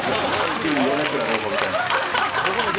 急に米倉涼子みたいに。